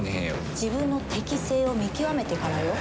自分の適性を見極めてからよ。